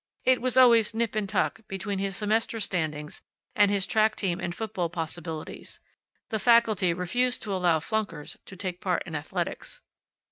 It was always nip and tuck between his semester standings and his track team and football possibilities. The faculty refused to allow flunkers to take part in athletics.